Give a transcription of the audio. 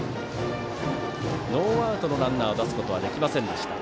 ノーアウトのランナーを出すことはできませんでした。